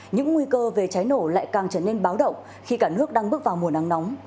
những nguy cơ về cháy nổ lại càng trở nên báo động khi cả nước đang bước vào mùa nắng nóng